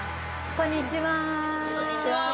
こんにちは。